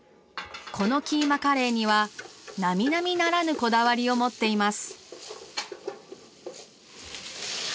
このキーマカレーには並々ならぬこだわりを持っています。